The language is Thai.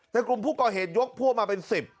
แต่กลุ่มผู้ก่อเหตุยกพวกมาเป็น๑๐